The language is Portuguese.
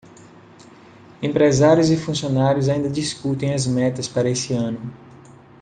Empresários e funcionários ainda discutem as metas para esse ano.